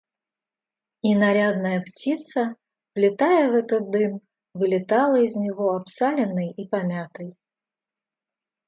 И нарядная птица, влетая в этот дым, вылетала из него обсаленной и помятой.